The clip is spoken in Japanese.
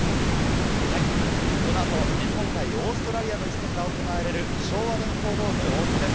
このあと日本対オーストラリアの一戦が行われる昭和電工ドーム大分です。